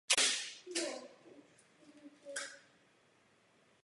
Dlouhodobě se plánuje výstavba silničního obchvatu jižně okolo čtvrti.